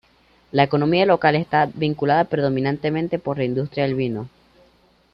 La economía local está vinculada predominantemente por la industria del vino.